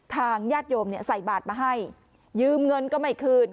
ทางญาติโยมเนี่ยใส่บาทมาให้ยืมเงินก็ไม่คืน